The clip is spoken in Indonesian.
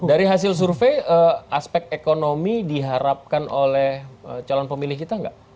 dari hasil survei aspek ekonomi diharapkan oleh calon pemilih kita nggak